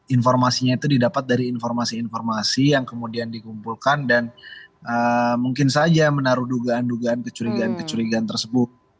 informasinya itu didapat dari informasi informasi yang kemudian dikumpulkan dan mungkin saja menaruh dugaan dugaan kecurigaan kecurigaan tersebut